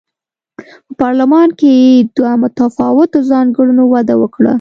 په پارلمان کې دوه متفاوتو ځانګړنو وده وکړه.